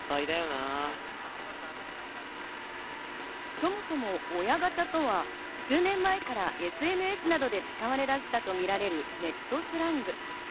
そもそも親ガチャとは、数年前からＳＮＳなどで使われだしたとみられるネットスラング。